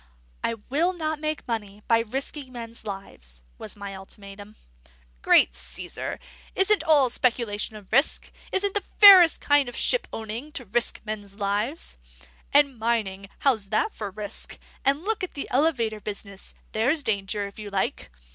"I will not make money by risking men's lives," was my ultimatum. "Great Caesar! isn't all speculation a risk? Isn't the fairest kind of shipowning to risk men's lives? And mining how's that for risk? And look at the elevator business there's danger, if you like!